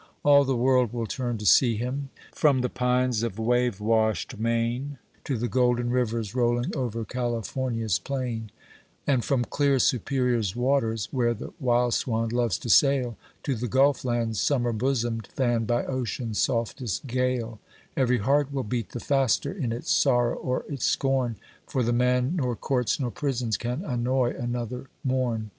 All the world will turn to see him ;— from the pines of wave washed Maine To tho golden rivers rolling over California's plain, And from clear Superior's waters, where the wild swan loves to sail, To the Gulf lands, summer bosomed, fanned by ocean's softest gale,— Every heart will beat the faster in its sorrow or its scorn, For the man nor courts nor prisons can annoy another morn